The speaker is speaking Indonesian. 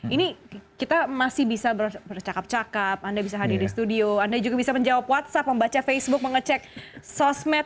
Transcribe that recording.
ini kita masih bisa bercakap cakap anda bisa hadir di studio anda juga bisa menjawab whatsapp membaca facebook mengecek sosmed